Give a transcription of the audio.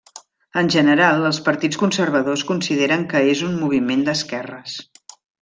En general els partits conservadors consideren que és un moviment d'esquerres.